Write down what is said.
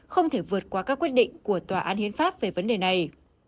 đồng ý của tòa án hiến pháp về vấn đề này